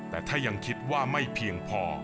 แต่ถ้ายังคิดว่าไม่เพียงพอ